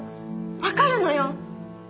分かるのよ。